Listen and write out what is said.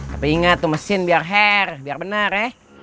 tapi inget tuh mesin biar hair biar benar ya